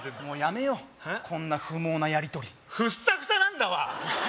もうやめようこんな不毛なやりとりフッサフッサなんだわ